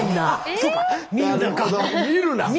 そうか「見るな」か。